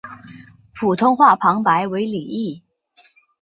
普通话旁白为李易。